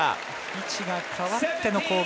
位置が変わっての攻撃。